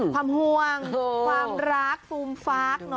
ความห่วงความรักฟูมฟาก